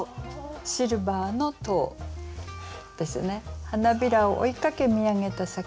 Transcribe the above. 「シルバーの塔」ですよね。